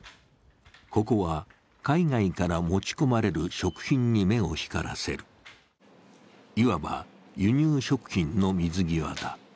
ここは海外から持ち込まれる食品に目を光らせる、いわば輸入食品の水際だ。